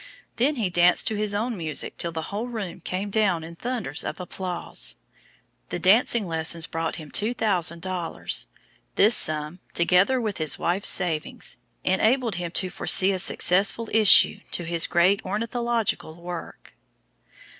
Then he danced to his own music till the whole room came down in thunders of applause. The dancing lessons brought him two thousand dollars; this sum, together with his wife's savings, enabled him to foresee a successful issue to his great ornithological work.